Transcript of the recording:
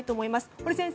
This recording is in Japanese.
堀先生